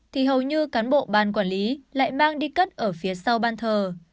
thì hầu như cán bộ ban quản lý lại mang đi cất ở phía sau ban thờ